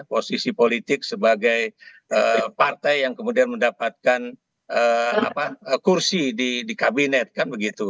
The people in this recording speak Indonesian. posisi politik sebagai partai yang kemudian mendapatkan kursi di kabinet kan begitu